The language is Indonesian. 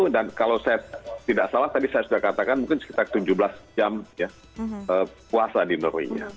dan kalau saya tidak salah tadi saya sudah katakan mungkin sekitar tujuh belas jam ya puasa di norweinya